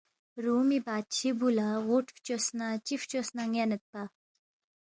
رومی بادشی بُو لہ غُوٹ فچوس نہ، چی فچوس نہ یَنیدپا